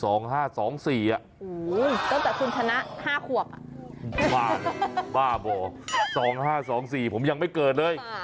อู๋ตั้งแต่คุณธนะ๕ขวบอ่ะบ้าบอก๒๕๒๔ผมยังไม่เกิดเลย